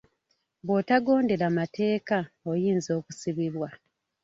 Bwotagondera mateeka oyinza okusibibwa.